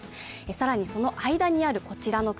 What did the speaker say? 更にその間にあるこちらの雲